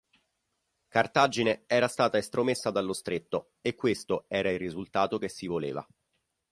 Cartagine era stata estromessa dallo stretto e questo era il risultato che si voleva.